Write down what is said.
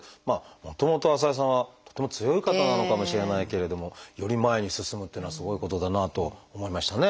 もともと浅井さんはとっても強い方なのかもしれないけれどもより前に進むっていうのはすごいことだなと思いましたね。